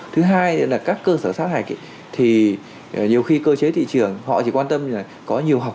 thứ hai nữa là các cơ sở sát hạch thì nhiều khi cơ chế thị trường họ chỉ quan tâm có nhiều học